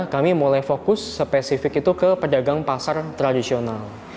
kami mulai fokus spesifik itu ke pedagang pasar tradisional